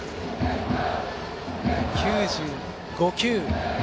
９５球。